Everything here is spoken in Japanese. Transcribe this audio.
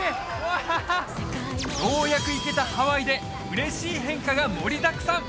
わあようやく行けたハワイで嬉しい変化が盛りだくさん！